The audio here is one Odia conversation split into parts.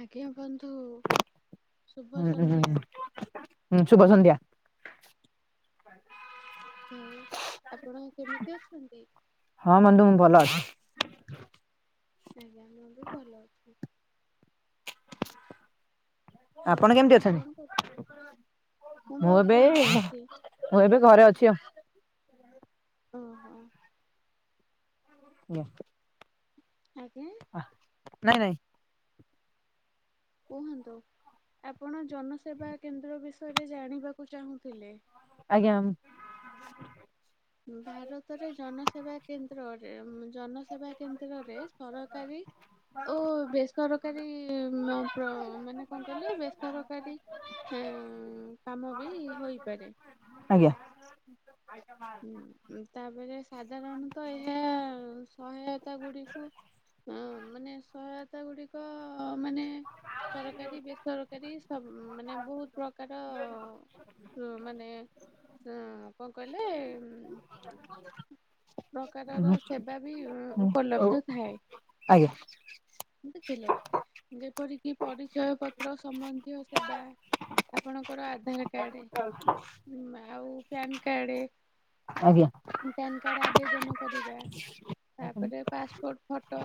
ଆଜ୍ଞା ବନ୍ଧୁ। ଶୁଭ ହୁଁଁ ହୁଁ ସନ୍ଧ୍ୟା ହୁଁ ଶୁଭ ସନ୍ଧ୍ୟା। ହଉ ଆପଣ କେମିତି ଅଛନ୍ତି? ହଁ ବନ୍ଧୁ ମୁଁ ଭଲ ଅଛି ଆଜ୍ଞା ମୁଁ ବି ଭଲ ଅଛି। ହଉ କେମିତି ଆପଣ ଅଛନ୍ତି? କଣ କର ମୁଁ ଏବେ ମୁଁ ଏବେ ଘରେ ଅଛି ଆଉ। ଓହୋ। ନିଅ। ଆଜ୍ଞା। ଆ ନାଇଁ ନାଇଁ କୁହନ୍ତୁ ଆପଣ ଜନସେବା କେନ୍ଦ୍ର ବିଷୟରେ ଜାଣିବାକୁ ଚାହୁଁଥିଲେ? ଆଜ୍ଞା। ସେବା କେନ୍ଦ୍ରରେ ଜନସେବା କେନ୍ଦ୍ରରେ ସରକାରୀ ଓ ବେ ସରକାରୀ ମା ପ୍ର ମାନେ କଣ କହିଲେ ବେସରକାରୀ। ହଁ କାମ ବି ହୋଇପାରେ। ଆଜ୍ଞା। ହଁ ତାପରେ ସାଧାରଣତଃ ଏହା ସହାୟତା ଗୁଡିକୁ ହଁ ମାନେ ସହାୟତା ଗୁଡିକ ମାନେ ସରକାରୀ ବେସରକାରୀ ସବୁ ମାନେ ବହୁତ ପ୍ରକାର ହୁ ମାନେ ଉ କଣ କହିଲେ? ପ୍ରକାରର ଆଜ୍ଞା ସେବା ବି ଉପଲବ୍ଧ ଥାଏ। ଆଜ୍ଞା ଥିଲେ ଯେପରିକି ପରିଚୟ ପତ୍ର ସମ୍ବନ୍ଧୀୟ ସେବା। ଆପଣଙ୍କର ଆଧାର କାର୍ଡ ଉଁ ଆଉ ପ୍ୟାନ କାର୍ଡ ଆଜ୍ଞା। ପ୍ୟାନ୍ କାର୍ଡ ଆବେଦନ କରିବା। ଆଜ୍ଞା ହୁଁ ତାପରେ ପାସପୋର୍ଟ ଫଟୋ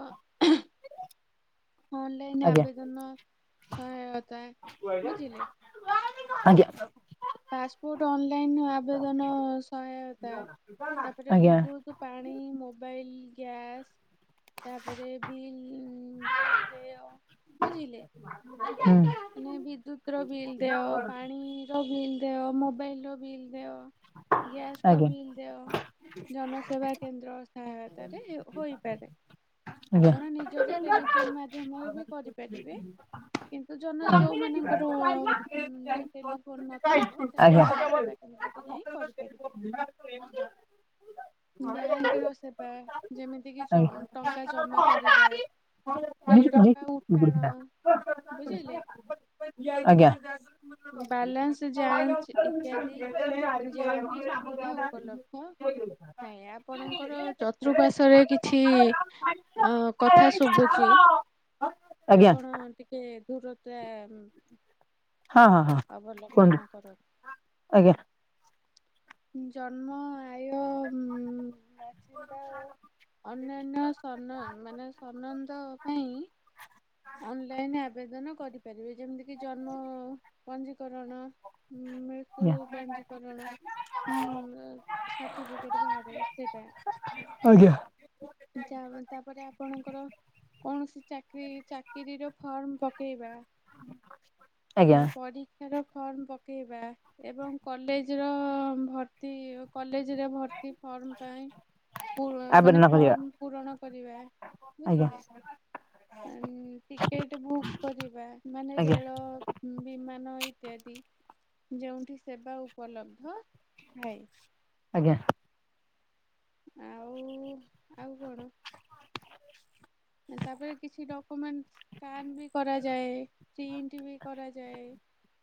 ଅନଲାଇନ ଆଜ୍ଞା ଆବେଦନ ସହାୟତା ବୁଝିଲେ? ଆଜ୍ଞା। ପାସପୋର୍ଟ ଅନଲାଇନ ଆବେଦନ ସହାୟତା ତାପରେ ଆଜ୍ଞା ବିଦ୍ୟୁତ ନ ମୋବାଇଲ ଗ୍ୟାସ୍ ତାପରେ ବ ବ ଦେଓ ବୁଝିଲେ? ମାନେ ବିଦ୍ୟୁତ ର ବିଲ୍ ଦେୟ ପାଣି ର ବିଲ୍ ଦେୟ ମୋବାଇଲ ର ବିଲ୍ ଦେୟ ଗ୍ୟାସର ଆଜ୍ଞା। ବିଲ ଦେୟ ଜନସେବା କେନ୍ଦ୍ର ସହାୟତରେ ହୋଇପାରେ। ଆପଣ ନିଜର ଟେଲିଫୋନ ମାଧ୍ୟମରେ ବି କରିପାରିବେ କି ଜନ ଯୋଉମାନଙ୍କର ଟେଲିଫୋନ ନଥିବ ସେମାନେ ଜନସେବା କେନ୍ଦ୍ର [inaudible] [inaudible] ବ୍ୟାଙ୍କ ର ସେବା ଯେମିତି କିି ଟଙ୍କା ଜମା କରିବା କି ହଁ। ଟଙ୍କା ଉଠାଣ ବୁଝିଲେ? ଆଜ୍ଞା। ବାଲାନ୍ସ ଯାଞ୍ଚ ଇତ୍ୟାଦି [unintelligible] ଆ ଆପଣଙ୍କର ଚତୁପାର୍ଶ୍ଵରେ କିଛି ଅ କଥା ଶୁଭୁଛି। ଆଜ୍ଞା। ଆପଣ ଟିକେ ଦୂରତା ହଁ ହଁ ହଁ କୁହନ୍ତୁ ଅବଲମ୍ବନ କରନ୍ତୁ। ଆଜ୍ଞା। ଜନ୍ମ ଆୟ ବାଚିନ୍ଦ ଓ ଅନ୍ୟାନ୍ୟ ସନ ମାନେ ସନନ୍ଦ ପାଇଁ ଅନଲାଇନ ଆବେଦନ କରିପାରିବେ ଯେମିତି କିି ଜନ୍ମ ପଞ୍ଜୀକରଣ ହଁ ମେ ତୁ ଆଜ୍ଞା ପା କରନା ହୁଁ ସର୍ଟିଫିକେଟ ବାହାରାରେ ସେଟା ଆଜ୍ଞା ଯ ତାପରେ ଆପଣଙ୍କର କୌଣସି ଚାକିର ଚାକିରୀର ଫର୍ମ ପକେଇବା ଆଜ୍ଞା ପରୀକ୍ଷାର ଫର୍ମ ପକେଇବା ଏବଂ କଲେଜ ର ଭର୍ତି କଲେଜରେ ଭର୍ତ୍ତି ଫର୍ମ ପାଇଁ ମାନେ ଆବେଦନ କରିବା ଫର୍ମ ପୂରଣ କରିବା ଆଜ୍ଞା ବୁଝିଲେ ଟିକେଟ ବୁକ୍ କରିବା ମାନେ ଆଜ୍ଞା ରେଳ ବିମାନଇ ଇତ୍ୟାଦି ଯେଉଠି ସେବା ଉପଲବ୍ଧ ଥାଏ ଆଜ୍ଞା ଆଉ ଆଉ କଣ ତାପରେ କିଛି ଡକୁମେଣ୍ଟ କାନ ବି କରାଯ ଯାଏ ବି କରାଯ ଯାଏ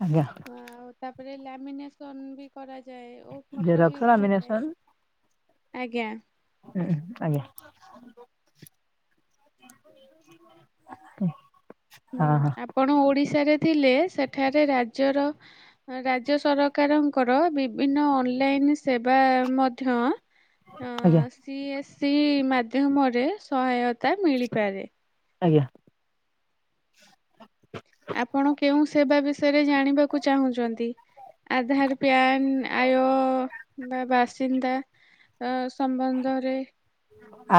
ଆଜ୍ଞା ଆ ତାପରେ ଲ୍ୟାମିନସନ ବି କରାଯା ଯେ ରକ୍ସର ଅମିନ ସର ଆଜ୍ଞା ହୁଁ ଆଜ୍ଞା ହ ହୁଁ ଆପଣ ଓଡିଶାରେ ଥିଲେ ସେଠାରେ ରାଜର ରାଜ୍ୟ ସରକାରଙ୍କର ବିଭିନ୍ନ ଅନଲାଇନ ସେବା ମଧ୍ୟ ଅ ଆଜ୍ଞା ସି ଏସ୍ ସ ମାଧ୍ୟମରେ ସହାୟତା ମିଳିପାରେ ଆଜ୍ଞା ବିଷରେ ଜାଣିବାକୁ ଚାହୁଁଛନ୍ତି ଆଧାର ପ୍ୟାନ ଆୟୋ ବା ବାସିନ୍ଦା ଆ ସମ୍ବନ୍ଧରେ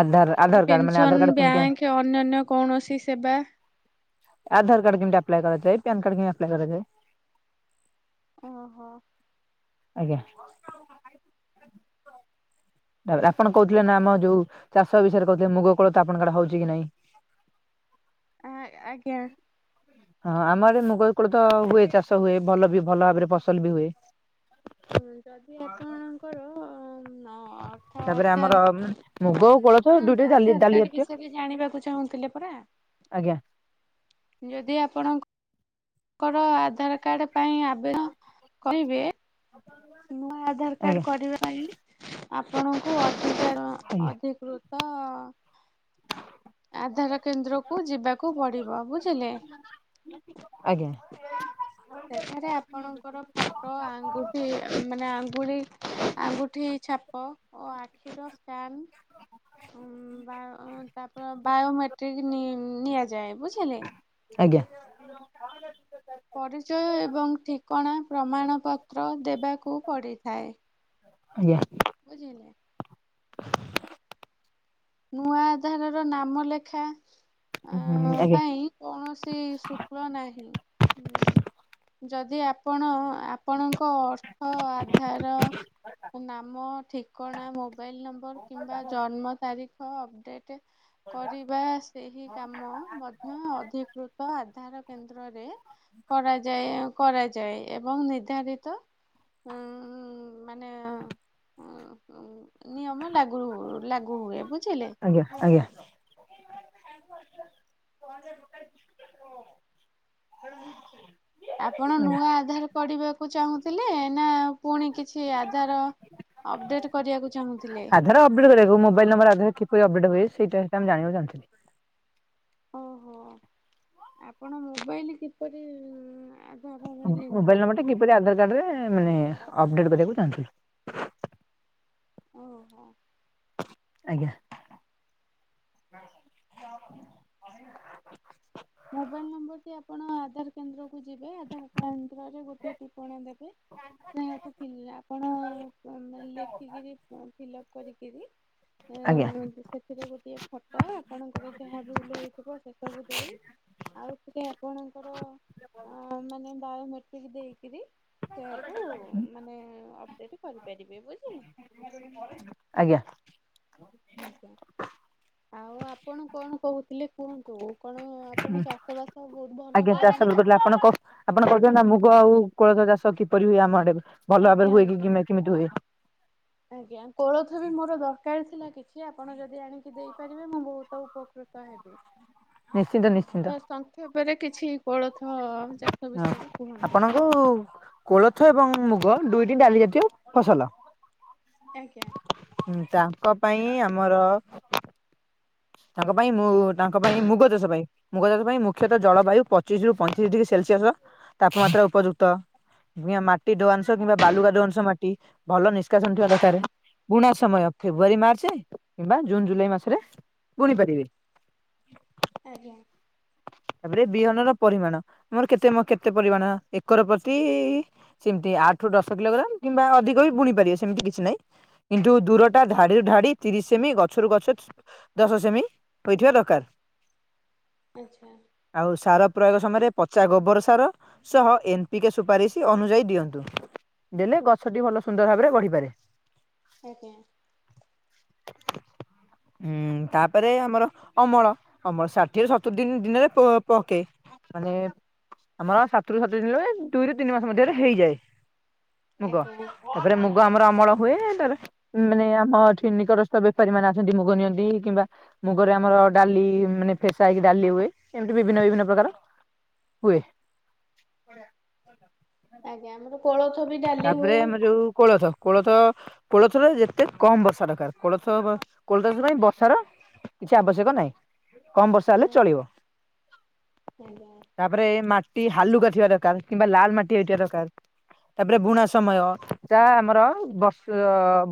ଆଧାର ଆଧାର କାର୍ଡ ମାନେ ଆଧାର ପେନସନ୍ କାର୍ଡ କେମିତି ବ୍ୟାଙ୍କ ଅନ୍ୟାନ୍ୟ କୌଣସି ସେବା ଆଧାର କାର୍ଡ କେମିତି ଅପ୍ଲାଏ କରାଯାଏ, ପ୍ୟାନ୍ କାର୍ଡ କେମିତି ଅପ୍ଲାଏ କରାଯାଏ? ହଁ ଆଜ୍ଞା ଆପଣ କହୁଥିଲେ ନା ଆମର ଚାଷ ବିଷୟରେ ମୁଗ କୋଳଥ ଆପଣଙ୍କର ହଉଛି କି ନାହିଁ? ଆ ଆଜ୍ଞା। ଆମ ପଟେ ମୁଗ, କୋଳଥ ଭଲ ଚାଷ ହୁଏ ଯଦି ଆପଣଙ୍କର ଅ, ଅର୍ଥ ଅଧା ଆମର ମୁଗ ଓ କୋଳଥ ଶୁଣନ୍ତୁ ଦୁଇଟି ଡାଲି ଆଧାର ଜାତୀୟ କାର୍ଡ ଫସଲ ହୁଏ ବିଷୟରେ ଜାଣିବାକୁ ଚାହୁଁଥିଲେ ପରା ଆଜ୍ଞା ଯଦି ଆପଣଙ୍କ ତାଙ୍କର ଆଧାର କାର୍ଡ ପାଇଁ ଆବେଦନ କହିବେ ନୂଆ ଆଧାର କାର୍ଡ ଆଜ୍ଞା କରିବା ପାଇଁ ଆପଣଙ୍କୁ ଅଧିକ ରୁ ଆଜ୍ଞା ଅଧିକ ଆଧାର କେନ୍ଦ୍ରକୁୁ ଯିବାକୁ ପଡିବ। ଝିଲେ ଆଜ୍ଞା ଏଠାରେ ଆପଣଙ୍କର ଫଟୋ ଆଙ୍ଗୁଠି ଛାପ ଓ ଆଖିର ସ୍କାନ ତାପରେ ବାୟୋମେଟ୍ରିକ ନିଆଯା ବୁଝିଲେ। ଆଜ୍ଞା ପରିଚୟ ଏବଂ ଠିକଣା ପ୍ରମାଣପତ୍ର ଦେବାକୁ ପଡିଥାଏ। ଆଜ୍ଞା ବୁଝିଲେ ନୂଆ ଆଧାରର ନାମ ଲେଖା ହୁଁ ଆଜ୍ଞା ପାଇଁ କୌଣସି ଶୁକ୍ଳ ନାହିଁ। ଯଦି ଆପଣ ଆପଣଙ୍କ ଅର୍ଥ ଆଧାର ନାମ ଠିକଣା ମୋବାଇଲ ନମ୍ବର କିମ୍ବା ଜନ୍ମ ତାରିଖ ଅପଡେଟ କରିବା ସେହିକାମ ମଧ୍ୟ ଅଧିକୃତ ଆଧାର କରାଯାଏ ଏବଂ ନିର୍ଦ୍ଧାରିତ ନିୟମ ଲାଗେ ଲାଗୁ ହୁଏ ବୁଝିଲେ। ଆଜ୍ଞା। ଆପଣ ଆଜ୍ଞା। ନୂଆ ଆଧାର କରିବାକୁ ଚାହୁଁଥିଲେ ନା ପୁଣି କିଛି ଆଧାର। ଅପଡେଟ କରିବାକୁ ଚାହୁଁଥିଲେ ଆଧାର ଅପଡେଟ୍ କରିବାକୁ ମୋବାଇଲ ନମ୍ବର ଆଧାର କିପରି ଅପଡେଟ୍ ହୁଏ ସେଇଟା ମୁଁ ଜାଣିବାକୁ ଚାହୁଁଥିଲି ଆପଣ ମୋବାଇଲ କିପରି ଆଧାରରେ ଲିଙ୍କ ମୋବାଇଲ ନମ୍ବର କରିବେ? ଟା କିପରି ଆଧାର କାର୍ଡ ରେ ଅପଡ଼େଟ୍ କରିବାକୁ ଚାହୁଁଥିଲି ହଁ। ଆଜ୍ଞା। ମୋବାଇଲ ନମ୍ବର ଟି ଆପଣ ଆଧାର କେନ୍ଦ୍ରକୁୁ ଯିବେ ଆଧାର କେନ୍ଦ୍ରରେ ଗୋଟେ ଟିପ୍ପଣୀ ଦେବେ। [inaudible] ଫିଲ୍ଅପ କରି କି ଆଜ୍ଞା। ସେଥିରେ ଗୋଟିଏ ଗୋଟିଏ ଫଟୋ ଆପଣଙ୍କର ଯାହା ଭୁଲ ହେଇଥିବ ସେସବୁ ଦେଇ ଆଉଥରେ ଆପଣଙ୍କର ବାୟୋମେଟ୍ରିକ ଦେଇକି ଅପଡେଟ କରିପାରିବେ ଆଜ୍ଞା। ଆଜ୍ଞା। ଆଉ ଆପଣ କଣ କହୁଥିଲେ କୁହନ୍ତୁ କଣ ଆପଣ ହୁଁ ଚାଷ ବହୁତ ଭଲ ଆଜ୍ଞା ଚାଷ କରନ୍ତି? କରୁଥିଲେ ଆପଣ କ ଆପଣ କହୁଛନ୍ତି ନା ମୁଗ ଆଉ କୋଳଥ ଚାଷ କିପରି ହୁଏ ଆମ ଆଡେ? ଭଲ ଭାବରେ ଆଜ୍ଞା ହୁଏ କି ଆଜ୍ଞା କେମିତି ହୁଏ ଆଜ୍ଞା କୋଳଥ ବି ମୋର ଦର ସିଲା କିଛି ଆପଣ ଯଦି ଆଣିକି ଦେଇପାରିବେ ମୁଁ ବହୁତ ଉପକୃତ ହେବି ନିଶ୍ଚିନ୍ତ ନିଶ୍ଚିନ୍ତ ତା ସଂକ୍ଷେପରେ କିଛି କୋଳଥ ଚାଷ ହଁ ବିଷୟରେ କୁହନ୍ତୁ। ଆପଣଙ୍କୁ କୋଳଥ ଏବଂ ମୁଗ ଦୁଇ ଟି ଡାଲି ଜାତୀୟ ଫସଲ ଆଞା। ହୁଁ ତାଙ୍କ ପାଇଁ ଆମର ତାଙ୍କ ପାଇଁ ମୁଁ ତାଙ୍କ ପାଇଁ ମୁଗ ଦେଶ ପାଇଁ ମୁଗଦେଶ ପାଇଁ ମୁଖ୍ୟତଃ ଜଳବାୟୁ ପଚିଶ ରୁ ପଇଁତିରିଶ ଡିଗ୍ରୀ ସେଲସିଅସ ତାପମାତ୍ରା ଉପଯୁକ୍ତ କି ମାଟି ଦବାଂଶ କିମ୍ବା ବାଲୁକାା ଦଂଶ ମାଟି ଭଲ ନିଷ୍କାସନ ଥିବା ଦକାରେ ପୁଣା ସମୟ ଫେବୃଆାରୀ ମାର୍ଚ୍ଚ କିମ୍ବା ଜୁନ ଜୁଲାଇ ମାସରେ ପୁଣିପାରିବେ ଆଜ୍ଞା। ତାପରେ ବିହନ ର ପରିମାଣ ଆମର କେତେ କେତେ ପରିମାଣ ଏକର ପ୍ରତି ସେମିତି ଆଠ ରୁ ଦଶ କିଲୋଗ୍ରାମ କିମ୍ବା ଅଧିକ ବି ବୁଣି ପାରିବ ସେମିତି କିଛି ନାହିଁ କିନ୍ତୁ ଦୂରଟା ଧାଡିରୁ ଧାଡି ତିରିଶ ସେମି ଗଛରୁ ଗଛ ଦଶ ସେମି ହୋଇଥିବା ଦରକାର ଆଚ୍ଛା। ଆଉ ସାର ପ୍ରୟୋଗ ସମୟରେ ପଚା ଗୋବର ସାର ସହ ଏନ୍ପିିକେ ସୁପାରିଶ ଅନୁଯାୟୀ ଦିଅନ୍ତୁ ଦେଲେ ଗଛଟି ଭଲ ସୁନ୍ଦର ଭାବରେ ବଢିପାରେ ଆଜ୍ଞା। ହୁଁ ତାପରେ ଆମର ଅମଳ ଅମଳ ଷାଠିଏରୁ ସତୁରି ଦ ଦିନରେ ପକେ ମାନେ ଆମର ସାତରୁ ସାତୁିନ ଦୁଇରୁ ତିନି ମାସ ମଧ୍ୟରେ ହେଇଯାଏ। ମୁଗ ଆଜ୍ଞା ତାପରେ ମୁଗ ଆମର ଅମଳ ହୁଏ ତାର ମାନେ ଆମ ଏଠି ନିକଟସ୍ଥ ବେପାରୀ ମାନେ ଅନ୍ତି ମୁଗ ନିଅନ୍ତି କିମ୍ବା ମୁଗରେ ଆମର ଡାଲି ମାନେ ଫେସା ଡାଲି ହୁଏ ଏମିତି ବିଭିନ୍ନ ବିଭିନ୍ନ ପ୍ରକାର ହୁଏ ଆଜ୍ଞା ଆମର କୋଳଥ ବି ଡାଲି ତାପରେ ହୁଏ। ଆମର ଯୋଉ କୋଳଥ କୋଳଥ କୋଳଥରେ ଯେତେ କମ ବର୍ଷା ଦରକାର କୋଳଥ କୋଳଥ ପାଇଁ ବର୍ଷା ର କିଛି ଆବଶ୍ୟକ ନାହିଁ କମ ବର୍ଷା ହେଲେ ନାହିଁ ଚଳିବ ଆଜ୍ଞା ତାପରେ ମାଟି ହାଲୁକା ଥିବା ଦରକାର କିମ୍ବା ଲାଲ ମାଟି ହେଇଥିବା ଦରକାର ତାପରେ ବୁଣା ସମୟ ଯାହା ଆମର ବର୍ଷ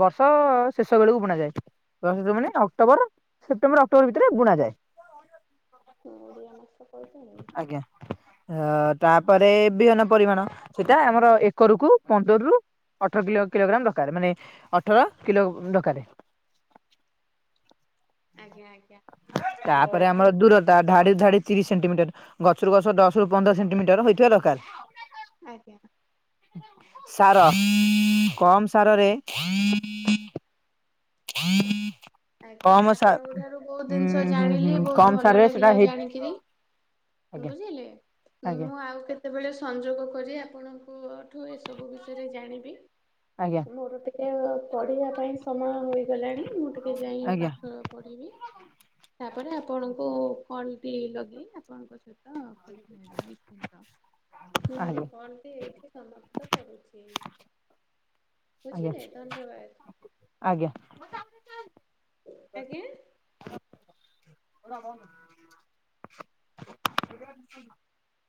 ବର୍ଷ ଶେଷ ବେଳକୁ ବୁଣା ଯାଏ ଦଶ ମାନେ ଅକ୍ଟୋବର ସେପ୍ଟେମ୍ବର ଅକ୍ଟୋବର ଭିତରେ ବୁଣା ଯଏ ହୁଁ ଓଡ଼ିିଆ ମାସ କହିଦେଲି। ଆଜ୍ଞା ଅ ତାପରେ ବିହନ ପରିମାଣ ସେଇଟା ଆମର ଏକ ରକୁୁ ପନ୍ଦର ରୁ ଅଠର କିଲ କିଲୋଗ୍ରାମ ଦରକାର ମାନେ ଅଠର କିଲ ଦରକାରେ ଆଜ୍ଞା ଆଜ୍ଞା ହଉ ତାପରେ ଆମର ଠିକ୍ ଅଛି ଦୂରତା ଧାଡି ଧାଡି ତିରିଶ ସେଣ୍ଟିମିଟର ଗଛରୁ ଗଛ ଦଶ ରୁ ପନ୍ଦର ସେଣ୍ଟିମିଟର ହେଇଥିବା ଦରକାର ଆଜ୍ଞା ସାର କମ୍ ସାର ରେ ହୁଁ [inaudible] ଆଜ୍ଞା କମ ସା ଆପଣଙ୍କ ଠାରୁ ବହୁତ ଜିନିଷ ହୁଁ ଜାଣିଲି ହୁଁ ବହୁତ କମ ଭଲ ସାରରେ ସେଟା ଲାଗିଲା ହେଇ ଜାଣିକିରି ଆଜ୍ଞା ବୁଝିଲେ ଆଜ୍ଞା ମୁଁ ଆଉ କେତେବେଳେ ସଂଯୋଗ କରି ଆପଣ ଠୁ ଏସବୁ ବିଷୟରେ ଜାଣିବି ଆଜ୍ଞା ମୋର ଏ ପଢିବା ପାଇଁ ସମୟ ହୋଇଗଲାଣି ମୁଁ ଟିକେ ଯାଇ ଆଜ୍ଞା ପାଠ ପଢ଼ିବି ତାପରେ ଆପଣଙ୍କୁ କଲ୍ ଲଗେଇି ଆପଣଙ୍କ ସହିତ କଥା ହେବି ନିଶ୍ଚିନ୍ତ। ମୁଁ ମର ଆଜ୍ଞା କଣ୍ଟି ଏଇଠି ସମାପ୍ତ କରିଛି ଆଜ୍ଞା ଧନ୍ୟବାଦ ଆଜ୍ଞା ଆଜ୍ଞ ବ